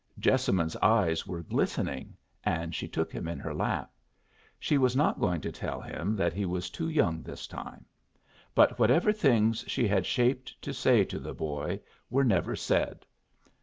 Jessamine's eyes were glistening, and she took him in her lap. She was not going to tell him that he was too young this time. But whatever things she had shaped to say to the boy were never said.